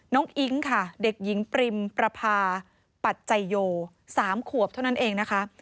อิ๊งค่ะเด็กหญิงปริมประพาปัจจัยโย๓ขวบเท่านั้นเองนะคะ